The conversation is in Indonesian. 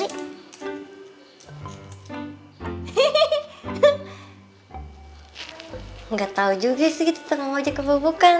tidak tahu juga sih tukang ojeng apa bukan